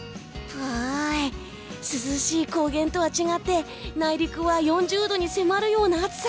涼しい高原とは違って内陸は４０度に迫るような暑さ。